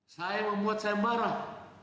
saya membuat saya marah